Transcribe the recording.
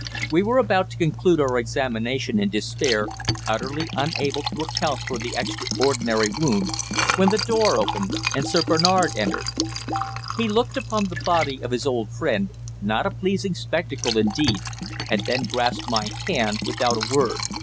We were about to conclude our examination in despair, utterly unable to account for the extraordinary wound, when the door opened and Sir Bernard entered. He looked upon the body of his old friend, not a pleasing spectacle indeed, and then grasped my hand without a word.